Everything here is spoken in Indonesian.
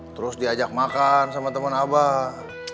terus diajak makan sama teman abah